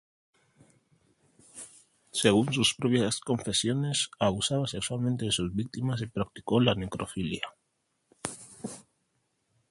Según sus propias confesiones, abusaba sexualmente de sus víctimas y practicó la necrofilia.